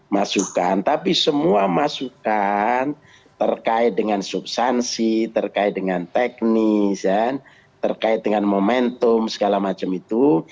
masukan tapi semua masukan terkait dengan substansi terkait dengan teknis terkait dengan momentum segala macam itu